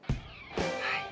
はい。